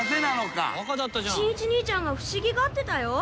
「新一兄ちゃんが不思議がってたよ」